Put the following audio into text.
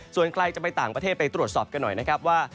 ส่วนใครจะไปต่างประเทศไปตรวจสอบกันหน่อยนะครับว่า